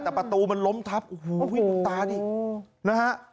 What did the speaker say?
แต่ประตูมันล้มทับโอ้โหดูตาดินะฮะ